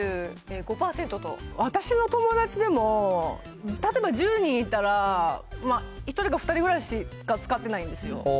私の友達でも、例えば１０人いたら、１人か２人ぐらいしか使ってないんですよ。